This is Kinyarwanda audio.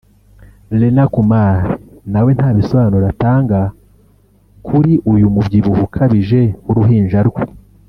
Reena Kumar na we nta bisobanuro atanga kuri uyu mubyibuho ukabije w’uruhinja rwe